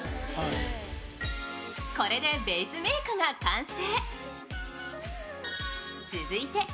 これでベースメイクが完成。